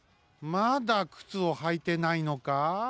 まだくつをはいてないのか？